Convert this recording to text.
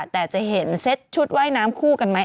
แต่จะเห็นเซ็ตชุดว่ายน้ำคู่กันไหม